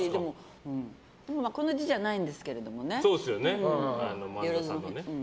この字じゃないんですけれどね。